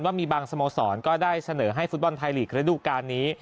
มีบางสโมสรก็ได้เสนอให้ฟุตบอลไทยลีกระดูกาลนี้